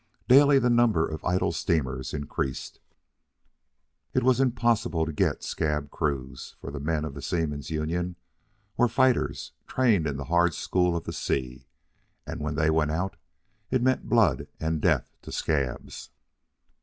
Daily the number of idle steamers increased. It was impossible to get scab crews, for the men of the Seaman's Union were fighters trained in the hard school of the sea, and when they went out it meant blood and death to scabs.